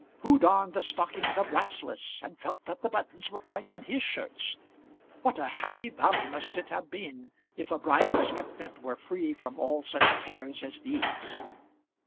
Who darned the stockings of Rasselas and felt that the buttons were tight on his shirts? What a happy valley must it have been if a bride expectant were free from all such cares as these!